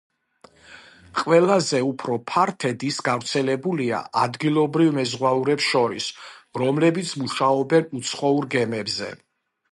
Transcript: ყველაზე უფრო ფართედ ის გავრცელებულია ადგილობრივ მეზღვაურებს შორის, რომლებიც მუშაობენ უცხოურ გემებზე.